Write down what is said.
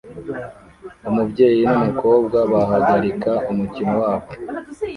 Umubyeyi numukobwa bahagarika umukino wabo